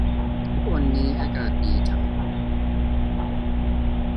ไม่กำหนดระยะเวลาชำระคืน ผู้ได้เงินกู้จะผลิตและส่งมอบของเมื่อใด